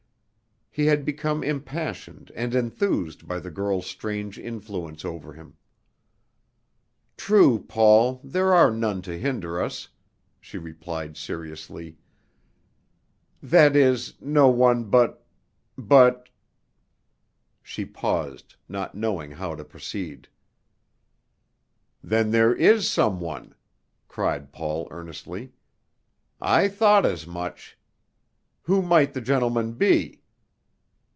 He had become impassioned and enthused by the girl's strange influence over him. "True, Paul, there are none to hinder us," she replied seriously, "that is, no one but but " She paused, not knowing how to proceed. "Then there is some one," cried Paul earnestly. "I thought as much. Who might the gentleman be?"